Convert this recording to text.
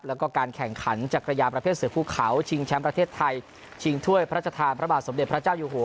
แล้วก็การแข่งขันจักรยานประเภทเสือภูเขาชิงแชมป์ประเทศไทยชิงถ้วยพระราชทานพระบาทสมเด็จพระเจ้าอยู่หัว